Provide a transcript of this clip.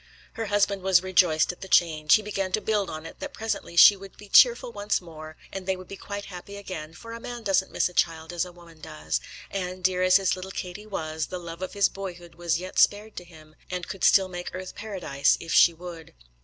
Her husband was rejoiced at the change. He began to build on it that presently she would be cheerful once more, and they would be quite happy again; for a man doesn't miss a child as a woman does, and, dear as his little Katie was, the love of his boyhood was yet spared to him, and could still make earth paradise if she would.